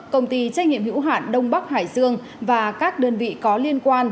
công ty trách nhiệm hữu hạn đông bắc hải dương và các đơn vị có liên quan